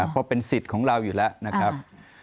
เพราะเป็นสิทธิ์ของเราอยู่แล้วนะครับ